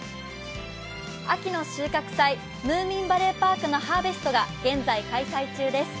秋の収穫祭、ムーミンバレーパークのハーベストが現在再開中です。